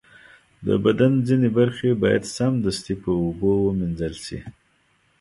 د بدن ځینې برخې باید سمدستي په اوبو ومینځل شي.